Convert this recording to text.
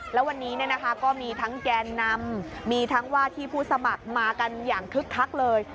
แล้ววันนี้ก็มีทั้งแกนนำมีทั้งว่าที่ผู้สมัครมากันอย่างคึกคักเลย